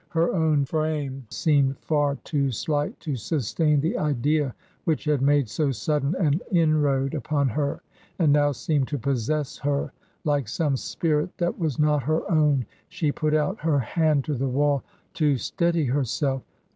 Her own frame seemed far too slight to sustain the idea which had made so sudden an inroad upon her and now seemed to possess her like some spirit that was not her own. She put out her hand to the wall to steady herself.